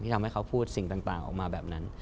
ทำให้เขาพูดสิ่งต่างออกมาแบบนั้น